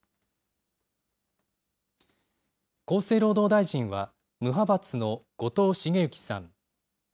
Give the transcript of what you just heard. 厚生労働大臣は無派閥の後藤茂之さん。